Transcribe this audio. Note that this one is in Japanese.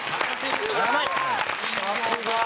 すごい！